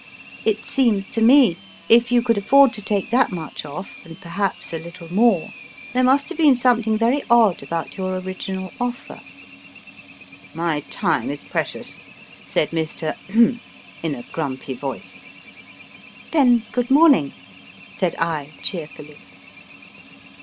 It seems to me if you could afford to take that much off, and perhaps a little more, there must have been something very odd about your original offer. My time is precious/ said Mr. in a grumpy voice. Then, good morning/ said I cheerfully.